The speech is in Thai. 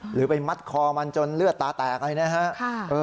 หรือไปมัดคอมันจนเลือดตาแตกอะไรนะฮะ